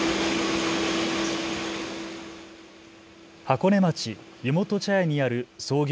箱根町湯本茶屋にある創業